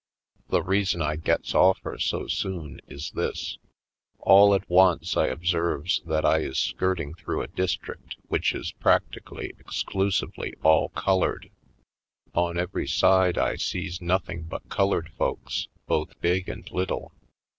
The reason I gets off her so soon is this: All at once I observes that I is skirting through a district which is practically ex clusively all colored. On every side I sees nothing but colored folks, both big and little.